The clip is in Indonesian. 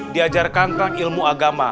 diajarkan tentang ilmu agama